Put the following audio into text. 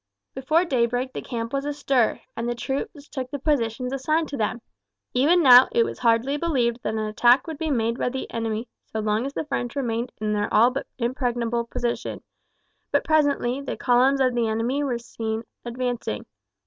Before daybreak the camp was astir, and the troops took the positions assigned to them. Even now it was hardly believed that an attack would be made by the enemy so long as the French remained in their all but impregnable position; but presently the columns of the enemy were seen advancing.